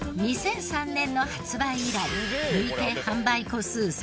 ２００３年の発売以来累計販売個数３０億個。